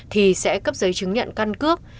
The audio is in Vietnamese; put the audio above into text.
thì sẽ cấp giấy chứng nhận căn cước